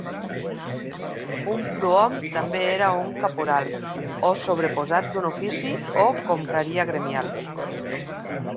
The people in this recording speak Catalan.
Un prohom també era un caporal o sobreposat d'un ofici o confraria gremial.